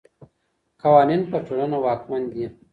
قوانین پر ټولنه واکمن دي.